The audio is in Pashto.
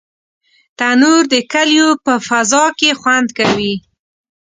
تنور د کلیو په فضا کې خوند کوي